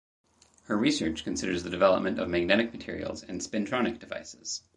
Her research considers the development of magnetic materials and spintronic devices.